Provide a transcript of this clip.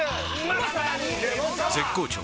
絶好調！！